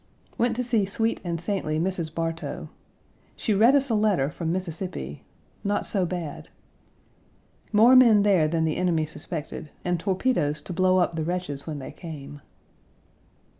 Went to see sweet and saintly Mrs. Bartow. She read us a letter from Mississippi not so bad: "More men there than the enemy suspected, and torpedoes to blow up the wretches when they came."